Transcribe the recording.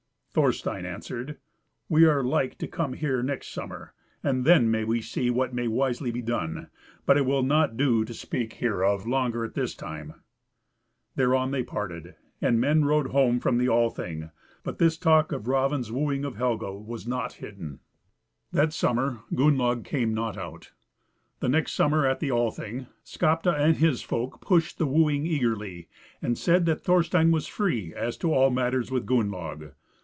Thorstein answered, "We are like to come here next summer, and then may we see what may wisely be done, but it will not do to speak hereof longer as at this time." Thereon they parted. And men rode home from the Althing. But this talk of Raven's wooing of Helga was nought hidden. That summer Gunnlaug came not out. The next summer, at the Althing, Skapti and his folk pushed the wooing eagerly, and said that Thorstein was free as to all matters with Gunnlaug.